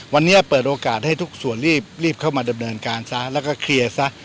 วันนี้เปิดโอกาสให้ทุกส่วนรีบเข้ามาดำเนินการซะแล้วก็เคลียร์ซะ